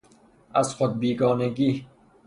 ازخودبیگانگی